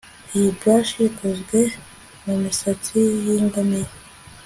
Iyi brush ikozwe mumisatsi yingamiya